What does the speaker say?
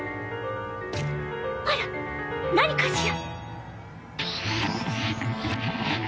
あら何かしら？